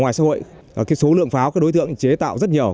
ngoài xã hội số lượng pháo các đối tượng chế tạo rất nhiều